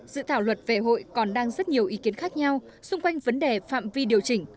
dự thảo luật vệ hội còn đang rất nhiều ý kiến khác nhau xung quanh vấn đề phạm vi điều chỉnh